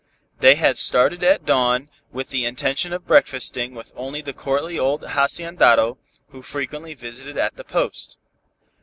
They had started at dawn with the intention of breakfasting with the courtly old haciendado, who frequently visited at the Post.